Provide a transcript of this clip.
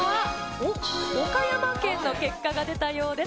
おっ、岡山県の結果が出たようです。